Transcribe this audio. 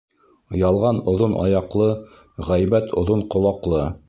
Ялған оҙон аяҡлы, ғәйбәт оҙон ҡолаҡлы.